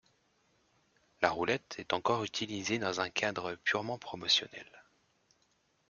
La roulette est encore utilisée dans un cadre purement promotionnel.